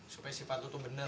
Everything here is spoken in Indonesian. supaya sifat lo tuh bener